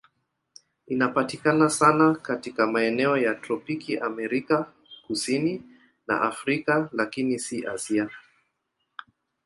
Inapatikana sana katika maeneo ya tropiki Amerika Kusini na Afrika, lakini si Asia.